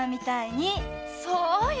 そうよ！